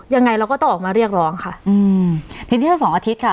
ยังไงเราก็ต้องออกมาเรียกร้องค่ะอืมทีนี้ถ้าสองอาทิตย์ค่ะ